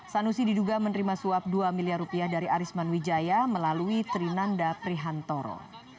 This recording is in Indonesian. sanusi diduga menerima suap dua miliar rupiah dari arisman wijaya melalui trinanda prihantoro